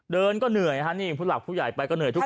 เดินก็เหนื่อยฮะนี่ผู้หลักผู้ใหญ่ไปก็เหนื่อยทุกคน